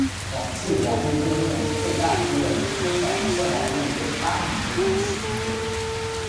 网际网路共用最大支援分享无线网路给八名不同的使用者。